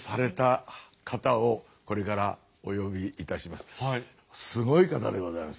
すごい方でございます。